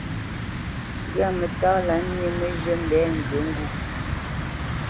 Ŋgwamǝtá lâ nyé mǝ́zhǝ̂ mbɛ ŋgyǝ ŋgû.